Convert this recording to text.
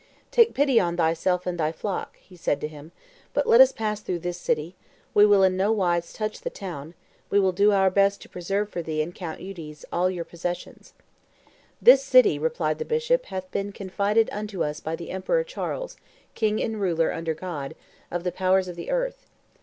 "Take pity on thyself and thy flock," said he to him; "let us but pass through this city; we will in no wise touch the town; we will do our best to preserve for thee and Count Eudes, all your possessions." "This city," replied the bishop, "hath been confided unto us by the Emperor Charles, king and ruler, under God, of the powers of the earth.